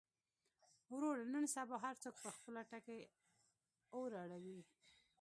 وروره نن سبا هر څوک پر خپله ټکۍ اور اړوي.